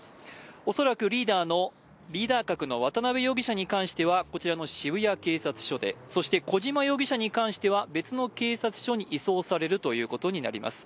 恐らくリーダー格の渡辺容疑者に関してはこちらの渋谷警察署で、そして小島容疑者に関しては別の警察署に移送されるということになります。